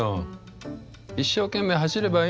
一生懸命走ればいいんだよ。